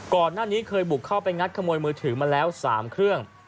ก่อนหน้านี้เคยบุกเข้าไปงัดขโมยมือถือมาแล้ว๓เครื่อง